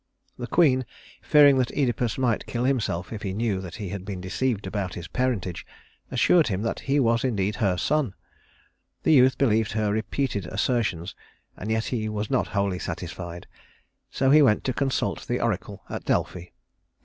The queen, fearing that Œdipus might kill himself if he knew that he had been deceived about his parentage, assured him that he was indeed her son. The youth believed her repeated assertions, and yet he was not wholly satisfied; so he went to consult the oracle at Delphi.